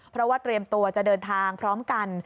เพราะว่าเตรียมตัวจะเดินทางพร้อมกัน